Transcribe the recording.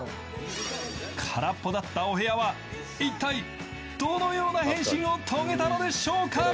空っぽだったお部屋は一体どのような変身を遂げたのでしょうか？